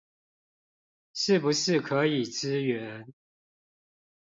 是不是可以支援